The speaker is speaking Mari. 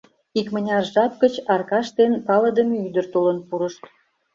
Икмыняр жап гыч Аркаш ден палыдыме ӱдыр толын пурышт.